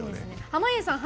濱家さん